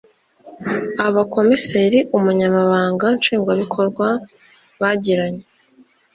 Abakomiseri Ubunyamabanga Nshingwabikorwa bwagiranye